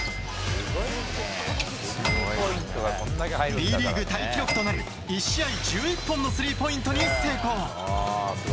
Ｂリーグタイ記録となる１試合１１本のスリーポイントに成功。